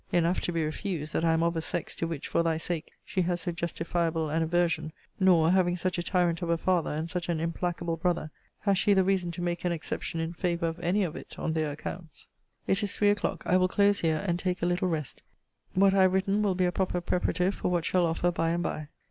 Enough to be refused, that I am of a sex, to which, for thy sake, she has so justifiable an aversion: nor, having such a tyrant of a father, and such an implacable brother, has she the reason to make an exception in favour of any of it on their accounts. It is three o'clock. I will close here; and take a little rest: what I have written will be a proper preparative for what shall offer by and by.